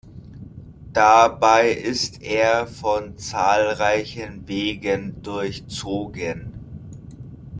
Dabei ist er von zahlreichen Wegen durchzogen.